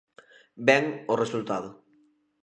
Ben o resultado.